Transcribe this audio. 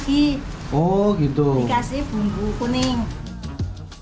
nah ini sudah selesai